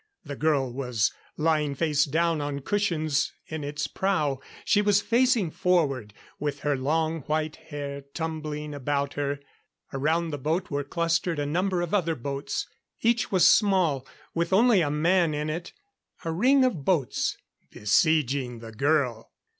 The girl was lying face down on cushions in its prow. She was facing forward, with her long white hair tumbling about her. Around the boat were clustered a number of other boats. Each was small, with only a man in it. A ring of boats, besieging the girl.